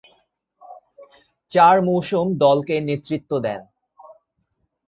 চার মৌসুম দলকে নেতৃত্ব দেন।